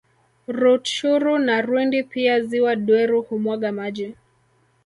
Rutshuru na Rwindi Pia ziwa Dweru humwaga maji